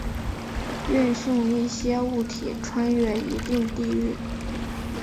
运送一些物体穿越一定地域。